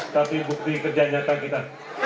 tapi bukti kerja nyata kita